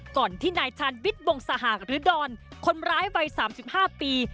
ก่อนที่นายชาญวิทย์วงสหากหรือดอนคนร้ายวัย๓๕ปี